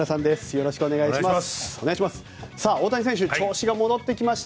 よろしくお願いします。